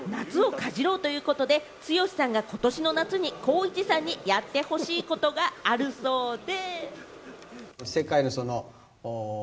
ＣＭのテーマが「夏をカジろう」ということで、剛さんがことしの夏に光一さんにやってほしいことがあるそうで。